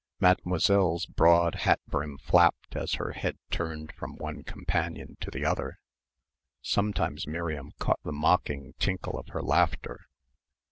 Mademoiselle's broad hat brim flapped as her head turned from one companion to the other. Sometimes Miriam caught the mocking tinkle of her laughter.